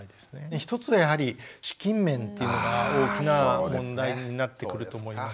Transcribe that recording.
一つはやはり資金面っていうのが大きな問題になってくると思います。